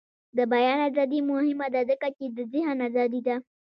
د بیان ازادي مهمه ده ځکه چې د ذهن ازادي ده.